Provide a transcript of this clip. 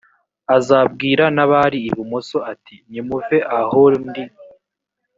azabwira n abari ibumoso ati nimuve aho ndi